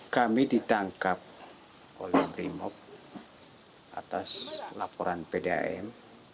kami ditangkap oleh brimob atas laporan pdam